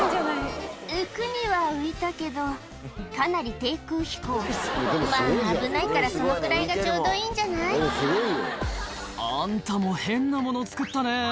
浮くには浮いたけどかなり低空飛行まぁ危ないからそのくらいがちょうどいいんじゃない？あんたも変なもの作ったね